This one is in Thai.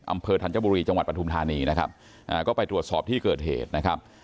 ธัญบุรีจังหวัดปฐุมธานีนะครับอ่าก็ไปตรวจสอบที่เกิดเหตุนะครับ